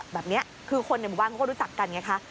แบบนี้คือคนในหมู่บ้านเขาก็รู้จักกันไงคะ